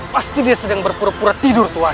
pasti dia sedang berpura pura tidur tuhan